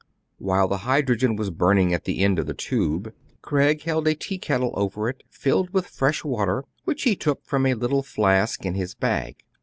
^ While the hydrogen was burning at the end of the tube, Craig held a tea kettle over it, filled with fresh water, which he took from a little flask in his bag.